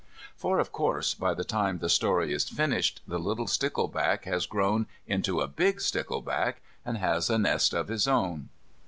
For, of course, by the time the story is finished the little stickleback has grown into a big stickleback and has a nest of his own.